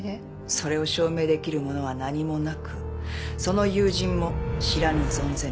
それを証明できるものは何もなくその友人も知らぬ存ぜぬ。